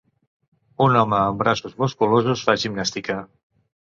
Un home amb braços musculosos fa gimnàstica.